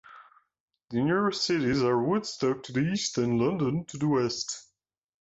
The nearest cities are Woodstock to the east and London to the west.